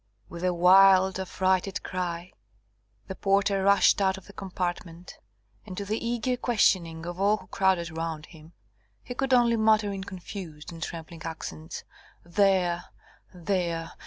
With a wild, affrighted, cry the porter rushed out of the compartment, and to the eager questioning of all who crowded round him, he could only mutter in confused and trembling accents: "There! there!